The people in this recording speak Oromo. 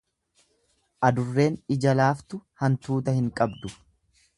Adurreen ija laaftu hantuuta hin qabdu.